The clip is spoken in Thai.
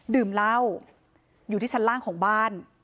ดื่มเหล้าอยู่ที่ชั้นล่างของบ้าน